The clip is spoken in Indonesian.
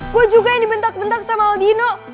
gue juga yang dibentak bentak sama aldino